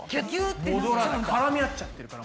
絡み合っちゃってるから。